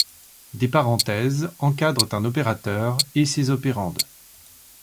Des parenthèses encadrent un opérateur et ses opérandes.